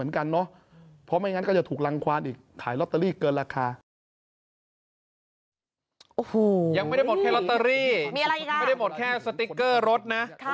ยังไม่ได้หมดแค่สติกเกอร์รถนะ